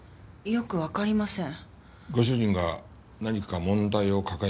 よくわかりません。